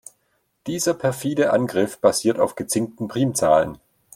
Dieser perfide Angriff basiert auf gezinkten Primzahlen.